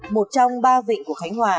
một trong ba vịnh của khánh hòa